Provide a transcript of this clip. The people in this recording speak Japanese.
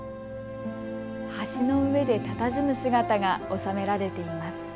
橋の上でたたずむ姿が収められています。